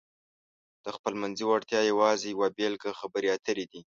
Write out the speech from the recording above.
د خپلمنځي وړتیاو یوازې یوه بېلګه خبرې اترې دي.